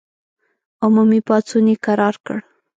عمومي پاڅون یې کرار کړ.